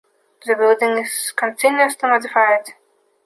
The building is continuously modified.